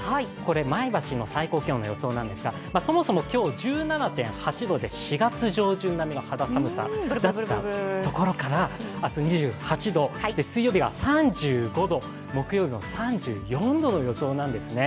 前橋の最高気温の予想なんですがそもそも今日、１７．８度で４月上旬並みの肌寒さだったところから明日、２８度、水曜日が３５度、木曜日も３４度の予想なんですね。